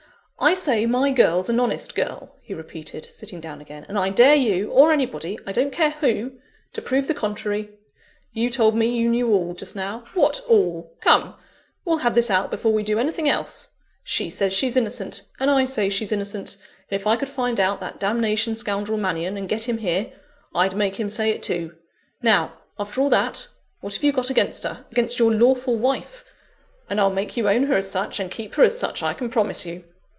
"I say my girl's an honest girl," he repeated, sitting down again; "and I dare you, or anybody I don't care who to prove the contrary. You told me you knew all, just now. What all? Come! we'll have this out before we do anything else. She says she's innocent, and I say she's innocent: and if I could find out that damnation scoundrel Mannion, and get him here, I'd make him say it too. Now, after all that, what have you got against her? against your lawful wife; and I'll make you own her as such, and keep her as such, I can promise you!"